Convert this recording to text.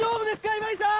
今井さん！